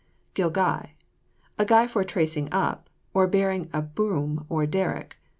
GILGUY. A guy for tracing up, or bearing a boom or derrick.